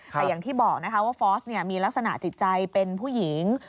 แต่อย่างที่บอกนะคะว่าฟอสมีลักษณะจิตใจเป็นผู้หญิง